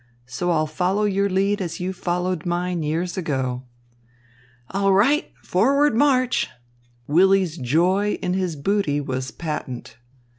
"So I'll follow your lead as you followed mine years ago." "All right! Forward, march!" Willy's joy in his booty was patent.